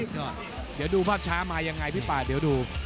เดี๋ยวดูภาพช้าไหมพี่ป๋าเดี๋ยวดู